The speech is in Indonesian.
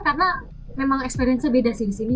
karena memang experience nya beda sih di sini